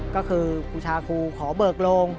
ก็คือบูชาครูขอเบิกโรง